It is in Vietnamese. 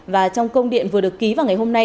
và trong công điện vừa được ký vào ngày hôm nay